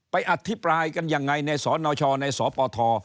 ไปอธิบายกันอย่างไรในสนชในสตท